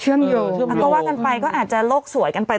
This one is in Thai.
เชื่อมโยงเออเชื่อมโยงแล้วก็ว่ากันไปก็อาจจะโลกสวยกันไป